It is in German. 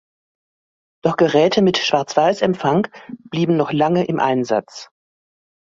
Doch Geräte mit Schwarz-Weiß-Empfang blieben noch lange im Einsatz.